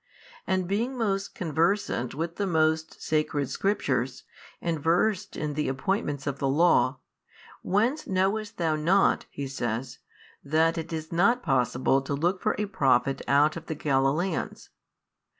and being most conversant with the most sacred Scriptures, and versed in tho appointments of the Law, whence knewest thou not (he says) that it is not possible to look for a Prophet out of the Galilaeans?